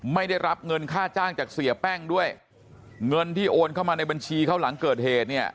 ไม่ได้รับเงินค่าจ้างจากเสียแป้งด้วยเงินที่โอนเข้ามาในบัญชีเขาหลังเกิดเหตุเนี่ย